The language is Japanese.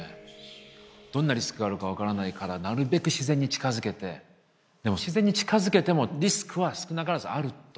どんなリスクがあるか分からないからなるべく自然に近づけてでも自然に近づけてもリスクは少なからずあると。